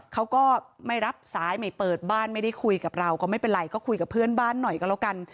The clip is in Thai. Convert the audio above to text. เขาก็ไม่รับสายไม่เปิดบ้านไม่ได้คุยกับเราก็ไม่เป็นไรก็คุยกับเพื่อนบ้านหน่อยก็แล้วกัน